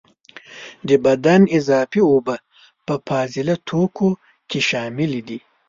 د بدن اضافي اوبه په فاضله توکو کې شاملي دي.